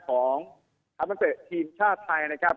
ของธรรมเศษเทียมชาติไทยนะครับ